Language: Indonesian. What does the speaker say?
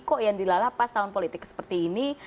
kok yang dilalapas tahun politik seperti ini